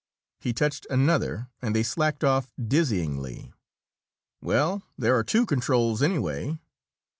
He touched another, and they slacked off dizzyingly. "Well, there are two controls, anyway.